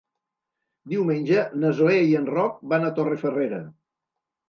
Diumenge na Zoè i en Roc van a Torrefarrera.